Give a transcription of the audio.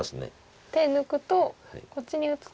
手抜くとこっちに打つと。